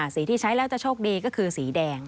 สีที่ใช้แล้วจะโชคดีก็คือสีแดง